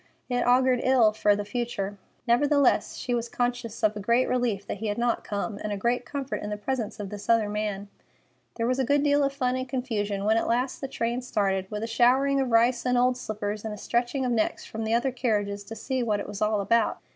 It augured ill for the future. Nevertheless, she was conscious of a great relief that he had not come, and a great comfort in the presence of this other man. There was a good deal of fun and confusion when at last the train started, with a showering of rice and old slippers, and a stretching of necks from the other carriages to see what it was all about.